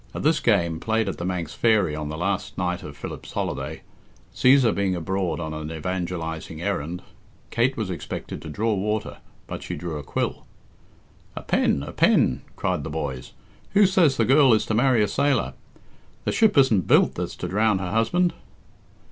At this game, played at "The Manx Fairy" on the last night of Philip's holiday, Csesar being abroad on an evangelising errand, Kate was expected to draw water, but she drew a quill. "A pen! A pen!" cried the boys. "Who says the girl is to marry a sailor? The ship isn't built that's to drown her husband."